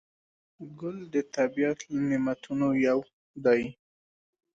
ګل د طبیعت له نعمتونو یو دی.